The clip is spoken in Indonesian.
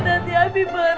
ada nanti abie marah